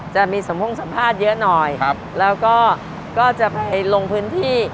จะมีสัมพงสัมภาษณ์เยอะหน่อยแล้วก็ก็จะไปลงพื้นที่